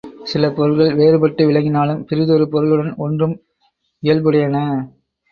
சில பொருள்கள் வேறுபட்டு விளங்கினாலும் பிறிதொரு பொருளுடன் ஒன்றும் இயல்புடையன.